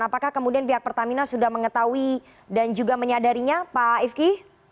apakah kemudian pihak pertamina sudah mengetahui dan juga menyadarinya pak ifki